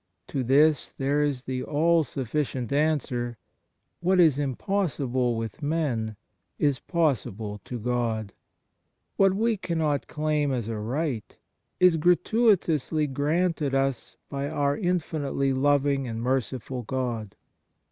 To this there is the all sufficient answer: What is impossible with men is possible to God; what we cannot claim as a right is gratuitously granted us by our infinitely loving and merciful God.